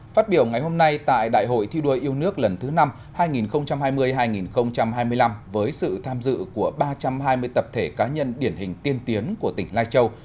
phát biểu ngày hôm nay tại đại hội thi đua yêu nước lần thứ năm hai nghìn hai mươi hai nghìn hai mươi năm với sự tham dự của ba trăm hai mươi tập thể cá nhân điển hình tiên tiến của tỉnh lai châu